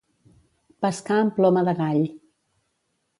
Pescar amb ploma de gall.